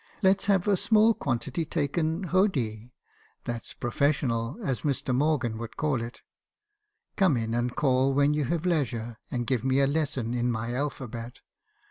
Let's have a small quantity taken "hodie;" that's professional, as Mr. Morgan would call it. Come in and call when you have leisure, and give me a lesson in my alphabet.